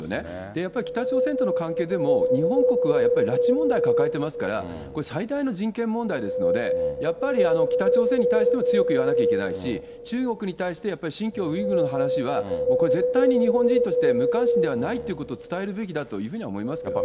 やっぱり北朝鮮との関係でも、日本国はやっぱり拉致問題抱えてますから、これ最大の人権問題ですので、やっぱり北朝鮮に対しても強く言わなきゃいけないし、中国に対してやっぱり新疆ウイグルの話は、もうこれ絶対、日本人として無関心ではないということを伝えるべきだというふうには思いますけどね。